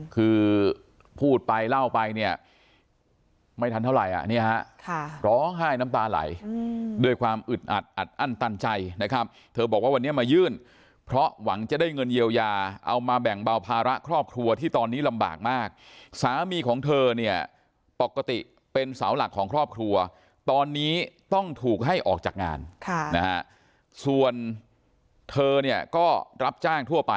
คือพูดไปเล่าไปเนี่ยไม่ทันเท่าไหร่อ่ะเนี่ยฮะร้องไห้น้ำตาไหลด้วยความอึดอัดอัดอั้นตันใจนะครับเธอบอกว่าวันนี้มายื่นเพราะหวังจะได้เงินเยียวยาเอามาแบ่งเบาภาระครอบครัวที่ตอนนี้ลำบากมากสามีของเธอเนี่ยปกติเป็นเสาหลักของครอบครัวตอนนี้ต้องถูกให้ออกจากงานส่วนเธอเนี่ยก็รับจ้างทั่วไป